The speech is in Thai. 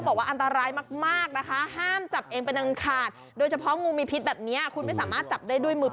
เพราะผมหน้าตาเหมือนงู